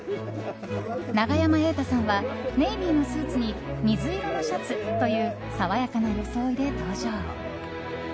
永山瑛太さんはネイビーのスーツに水色のシャツという爽やかな装いで登場。